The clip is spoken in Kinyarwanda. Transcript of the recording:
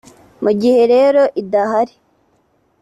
mu gihe rero idahari